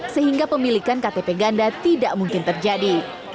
sehingga pemilikan ktp ganda tidak mungkin terjadi